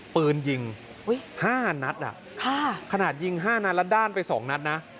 ปืนยิง๕นัดขนาดยิง๕นัดแล้วด้านไป๒นัดนะ